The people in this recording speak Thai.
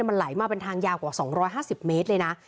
มันไหลมาเป็นทางยาวกว่า๒๕๐เมตรเลยนะ